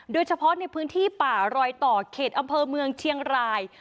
โดยเฉพาะในพื้นที่ป่ารอยต่อเขตอำเภอเมืองเชียงราย